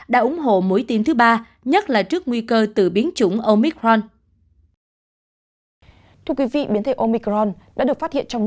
đã ủng hộ mũi tiêm thứ ba nhất là trước nguy cơ tự biến chủng omicron